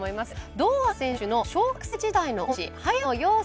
堂安選手の小学生時代の恩師